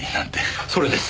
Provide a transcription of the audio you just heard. それです。